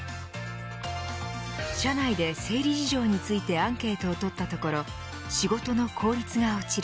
社内で生理事情についてアンケートをとったところ仕事の効率が落ちる。